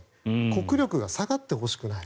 国力が下がってほしくない。